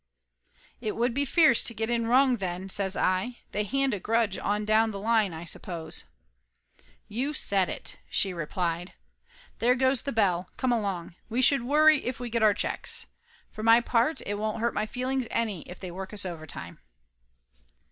"It would be fierce to get in wrong then," says I. "They hand a grudge on down the line, I suppose?" "You said it!" she replied. "There goes the bell come along. We should worry, if we get our checks ! For my part, it won't hurt my feelings any if they work us overtime!"